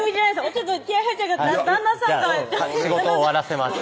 ちょっと気合い入っちゃったから旦那さんが仕事終わらせます